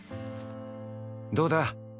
どうだ？